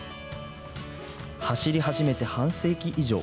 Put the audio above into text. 走り始めて半世紀以上。